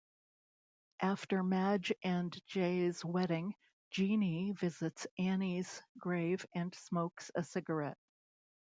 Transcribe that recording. After Madge and Jay's wedding, Jeanie visits Annie's grave and smokes a cigarette.